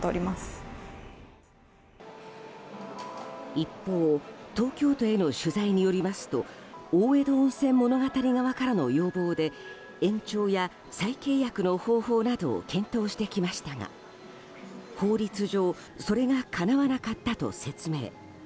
一方、東京都への取材によりますと大江戸温泉物語側からの要望で延長や再契約の方法などを検討してきましたが法律上、それがかなわなかったと説明。